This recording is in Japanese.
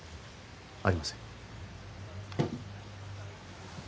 ありません